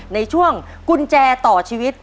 ในช่วงกุญแจต่อชีวิต